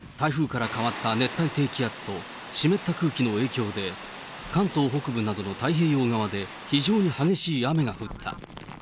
きのう、台風から変わった熱帯低気圧と湿った空気の影響で、関東北部などの太平洋側で、非常に激しい雨が降った。